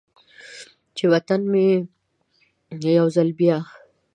چې و طن مې یو ځل بیا،